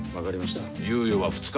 猶予はニ日。